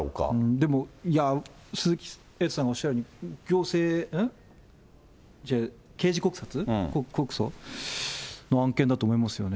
でも、いや、鈴木エイトさんがおっしゃるように、行政、刑事告訴の案件だと思いますよね。